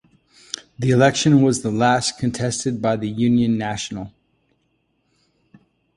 This election was the last contested by the Union Nationale.